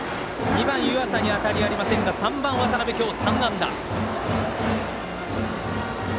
２番、湯淺に当たりありませんが３番、渡邊、今日３安打。